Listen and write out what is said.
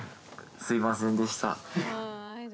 「すいませんでした」